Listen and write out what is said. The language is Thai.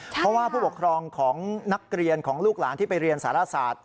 เพราะว่าผู้ปกครองของนักเรียนของลูกหลานที่ไปเรียนสารศาสตร์